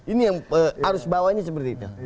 ini yang harus bawanya seperti itu